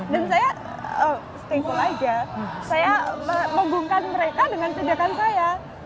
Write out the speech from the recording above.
dan saya setinggul saja saya mengunggukan mereka dengan tindakan saya